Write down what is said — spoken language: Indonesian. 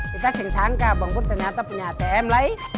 kita sengsangka abangku ternyata punya atm lah ih